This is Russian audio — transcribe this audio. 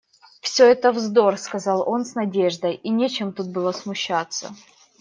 Всё это вздор, — сказал он с надеждой, — и нечем тут было смущаться!